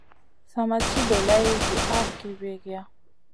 Sa ma ci dolay zi ahrki wiykiya.